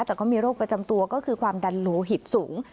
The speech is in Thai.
แต่ก็มีโรคประจำตัวก็คือความดันโลหิตสูง